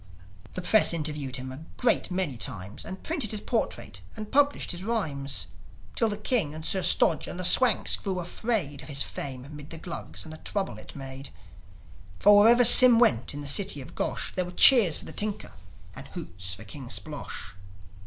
The Press interviewed him a great many times, And printed his portrait, and published his rhymes; Till the King and Sir Stodge and the Swanks grew afraid Of his fame 'mid the Glugs and the trouble it made. For, wherever Sym went in the city of Gosh, There were cheers for the tinker, and hoots for King Splosh.